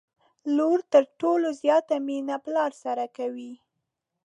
لور تر ټولو زياته مينه پلار سره کوي